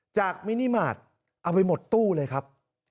จากมินิมาตรเอาไปหมดตู้เลยครับ